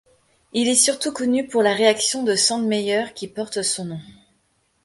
Il est surtout connu pour la réaction de Sandmeyer qui porte son nom.